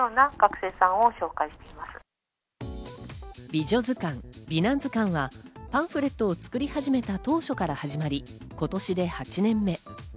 美女図鑑・美男図鑑はパンフレットを作り始めた当初から始まり、今年で８年目。